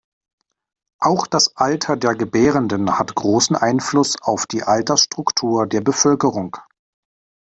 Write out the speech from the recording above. Auch das Alter der Gebärenden hat großen Einfluss auf die Altersstruktur der Bevölkerung.